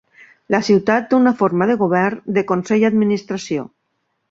La ciutat té una forma de govern de consell-administració.